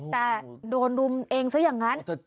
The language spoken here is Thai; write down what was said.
แต่โดนรุมเองซะอย่างนั้น